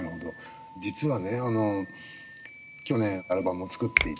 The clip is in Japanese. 実はね去年アルバムを作っていてですね